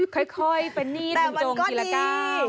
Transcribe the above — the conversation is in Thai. คุยค่อยประณีสคุณจงกี่ละก้าว